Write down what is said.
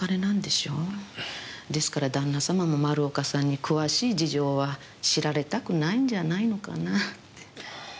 ですからだんな様も丸岡さんに詳しい事情は知られたくないんじゃないのかなって。